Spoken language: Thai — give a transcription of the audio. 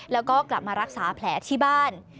แล้วก็กลับมารักษาแผลที่บ้าน